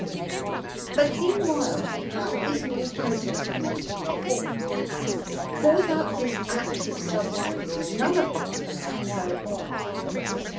But meanwhile, how is new protoplasm to be formed? for without this active substance none of the work can go on.